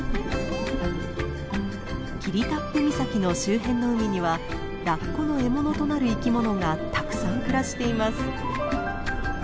霧多布岬の周辺の海にはラッコの獲物となる生きものがたくさん暮らしています。